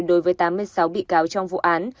đối với tám mươi sáu bị cáo trong vụ án